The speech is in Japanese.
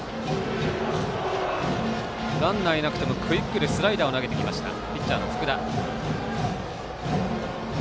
ランナーいなくてもクイックでスライダーを投げてきましたピッチャーの福田。